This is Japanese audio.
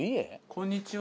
こんにちは。